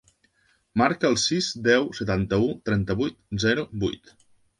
Marca el sis, deu, setanta-u, trenta-vuit, zero, vuit.